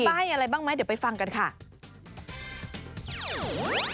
มีป้ายอะไรบ้างมั้ยเดี๋ยวไปฟังกันค่ะ